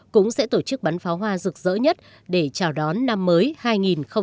cũng sẽ tổ chức bắn pháo hoa rực rỡ nhất để chào đón năm mới hai nghìn hai mươi